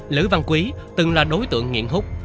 lữ văn quý từng là đối tượng nghiện hút